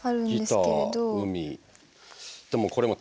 ギター海。